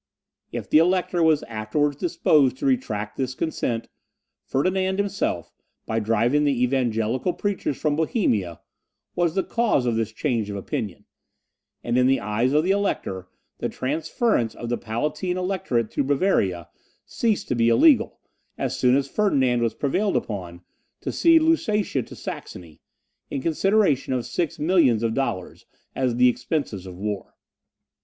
If the Elector was afterwards disposed to retract this consent, Ferdinand himself, by driving the Evangelical preachers from Bohemia, was the cause of this change of opinion; and, in the eyes of the Elector, the transference of the Palatine Electorate to Bavaria ceased to be illegal, as soon as Ferdinand was prevailed upon to cede Lusatia to Saxony, in consideration of six millions of dollars, as the expenses of the war.